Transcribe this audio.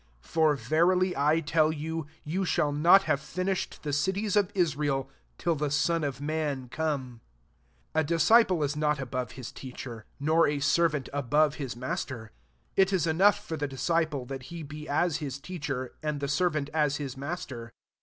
[For] verily I tell you, Ye shall not have fi nished the cities of Israel, ^l the Son of man come. 24 "A disciple ih not above to teacher, nor a servant above his master. 25 It is enough for the disciple that he be as his teacher, and the servant as his master.